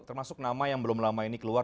termasuk nama yang belum lama ini keluar